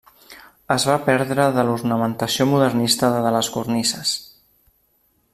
Es va perdre de l'ornamentació modernista de les cornises.